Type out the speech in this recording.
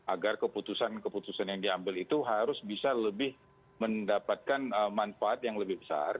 agar keputusan keputusan yang diambil itu harus bisa lebih mendapatkan manfaat yang lebih besar